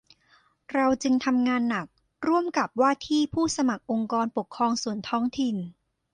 เราจึงทำงานหนักร่วมกับว่าที่ผู้สมัครองค์กรปกครองส่วนท้องถิ่น